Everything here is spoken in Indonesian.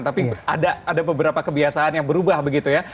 tapi ada beberapa kebiasaan yang berubah begitu ya